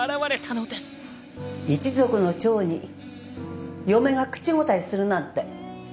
一族の長に嫁が口答えするなんて。